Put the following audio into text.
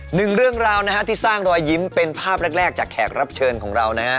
หนึ่งเรื่องราวนะฮะที่สร้างรอยยิ้มเป็นภาพแรกจากแขกรับเชิญของเรานะฮะ